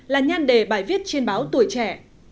là nhan đề bài viết trên báo tuổi trẻ